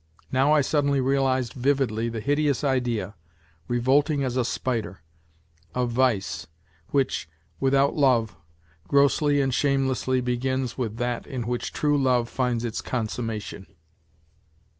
Now I sud denly realized vividly the hideous idea revolting as a spider of vice, which, without love, grossly and shamelessly begins with that in which true love finds its consummation.